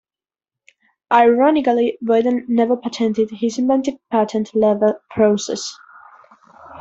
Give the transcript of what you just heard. Ironically, Boyden never patented his inventive patent leather process.